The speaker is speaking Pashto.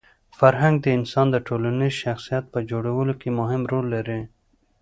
فرهنګ د انسان د ټولنیز شخصیت په جوړولو کي مهم رول لري.